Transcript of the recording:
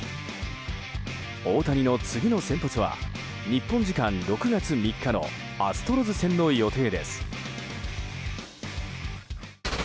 大谷の次の先発は日本時間６月３日のアストロズ戦の予定です。